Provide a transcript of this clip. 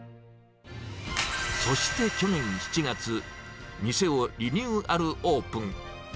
そして去年７月、店をリニューアルオープン。